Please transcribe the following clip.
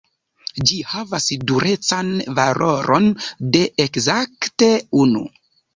Ĝi havas durecan valoron de ekzakte unu.